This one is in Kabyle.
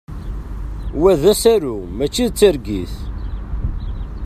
Wa d asaru mačči d targit!